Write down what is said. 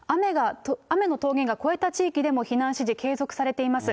雨の峠が越えた地域でも、避難指示、継続されています。